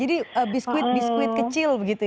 jadi biskuit biskuit kecil begitu ya